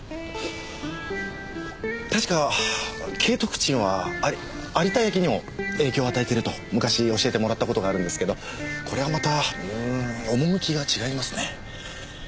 確か景徳鎮はあり有田焼にも影響を与えてると昔教えてもらった事があるんですけどこれはまたうん趣が違いますね。